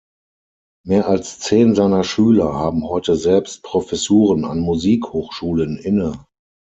Mehr als zehn seiner Schüler haben heute selbst Professuren an Musikhochschulen inne.